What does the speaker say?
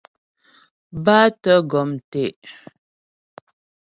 Bátə̀ gɔm tə'.